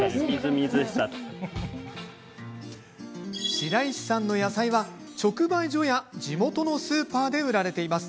白石さんの野菜は、直売所や地元のスーパーで売られています。